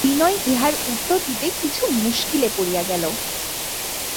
বিনয় ইহার উত্তর দিতে কিছু মুশকিলে পড়িয়া গেল।